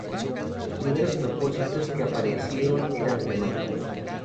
Los primeros repositorios que aparecieron eran temáticos.